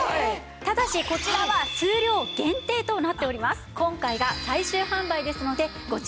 ただしこちらは数量限定となっております。